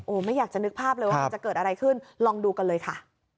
ไม่อยากจะนึกภาพเลยว่ามันจะเกิดอะไรขึ้นลองดูกันเลยค่ะ